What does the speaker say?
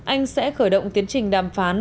anh sẽ khởi động tiến trình đàm phán